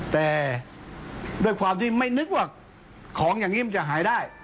แต่ด้วยความที่ไม่นึกว่าของอย่างนี้มันจะหายได้